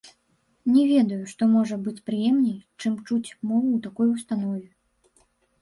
Не ведаю, што можа быць прыемней, чым чуць мову ў такой установе.